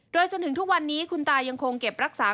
โดยจนถึงทุกวันนี้คุณตายังคงเก็บรักษา